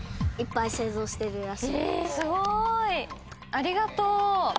ありがとう。